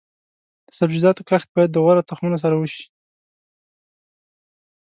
د سبزیجاتو کښت باید د غوره تخمونو سره وشي.